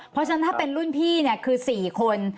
อ๋ออ๋อเพราะฉะนั้นถ้าเป็นรุ่นพี่เนี่ยคือ๔คน